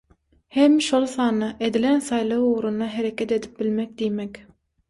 hem şol sanda edilen saýlaw ugrunda hereket edip bilmek diýmek.